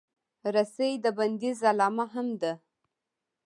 رسۍ د بندیز علامه هم ده.